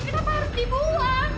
kenapa harus dibuang